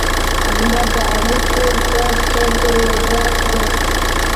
احمد د علي کور پر چرګه ور بار کړ.